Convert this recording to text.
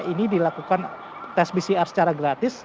ini dilakukan tes pcr secara gratis